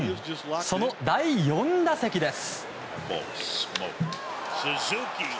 その第４打席です。